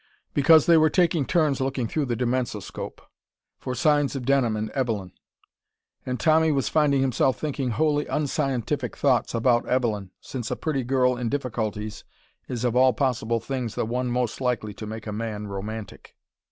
Because they were taking turns looking through the dimensoscope. For signs of Denham and Evelyn. And Tommy was finding himself thinking wholly unscientific thoughts about Evelyn, since a pretty girl in difficulties is of all possible things the one most likely to make a man romantic.